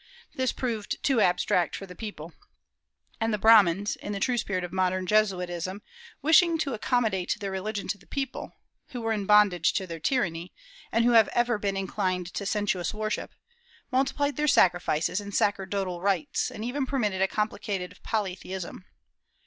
This proved too abstract for the people; and the Brahmans, in the true spirit of modern Jesuitism, wishing to accommodate their religion to the people, who were in bondage to their tyranny, and who have ever been inclined to sensuous worship, multiplied their sacrifices and sacerdotal rites, and even permitted a complicated polytheism.